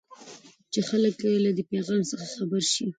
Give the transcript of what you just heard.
چې خلک له دې پيفام څخه خبر شي.